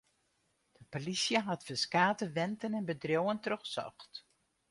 De polysje hat ferskate wenten en bedriuwen trochsocht.